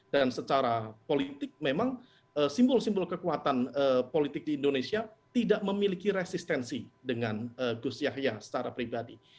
dan secara politik memang simbol simbol kekuatan politik di indonesia tidak memiliki resistensi dengan gus yahya secara pribadi